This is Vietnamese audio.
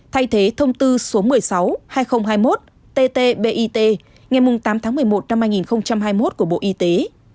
thay thế thông tư số một mươi sáu hai nghìn hai mươi một tt bit ngày tám tháng một mươi một năm hai nghìn hai mươi một của bộ y tế